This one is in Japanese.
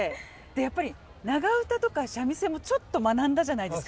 やっぱり長唄とか三味線もちょっと学んだじゃないですか。